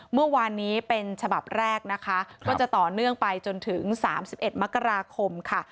เมื่อวานนี้เป็นฉบับแรกนะคะก็จะต่อเนื่องไปจนถึง๓๑มกราคมค่ะ